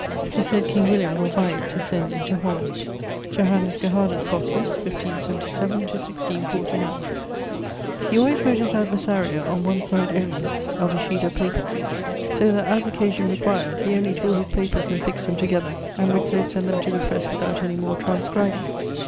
'Tis sayd king William will buy it to send into Holland. =Johannes Gerhardus Vossius= (1577 1649). He alwayes wrote his Adversaria on one side only of a sheet of paper, so that as occasion required, he only tore his papers and fixt them together, and would so send them to the presse without any more transcribing.